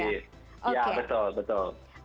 positif ya betul betul